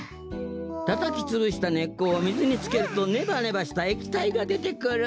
たたきつぶしたねっこをみずにつけるとネバネバしたえきたいがでてくる。